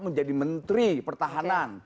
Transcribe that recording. menjadi menteri pertahanan